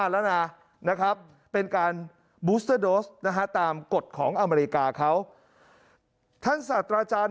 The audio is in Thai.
แล้วท่านศัตราจารย์